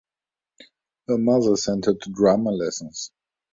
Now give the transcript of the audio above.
Her mother sent her to drama lessons.